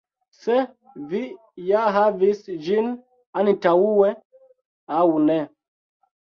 Se vi ja havis ĝin antaŭe aŭ ne.